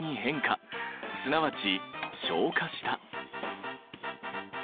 すなわち昇華した。